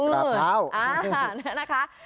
กราบเท้า